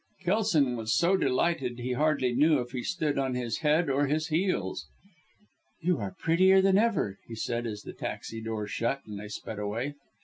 Kelson was so delighted he hardly knew if he stood on his head or his heels. "You are prettier than ever," he said, as the taxi door shut and they sped away.